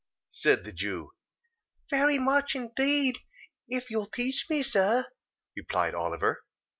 said the Jew. "Very much, indeed, if you'll teach me, sir," replied Oliver.